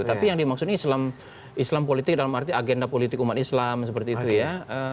tapi yang dimaksud ini islam politik dalam arti agenda politik umat islam seperti itu ya